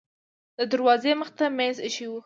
د دروازې مخې ته میز ایښی و.